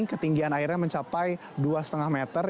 ketinggian airnya mencapai dua lima meter